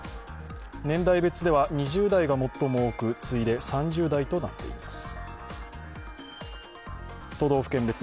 年代別では２０代が最も多く次いで３０代となっています。